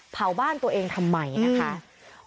เผาบ้านตัวเองทำไมนะคะ